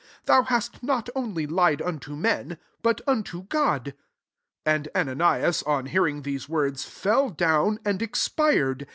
Thou hast not only lied unto men, but unto God. 5 And Ananias, on hcar i ing these words, fell down and expired.